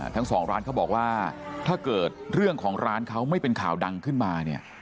ทั้งสองร้านเขาบอกว่าถ้าเกิดเรื่องของร้านเขาไม่เป็นข่าวดังขึ้นมาเนี่ย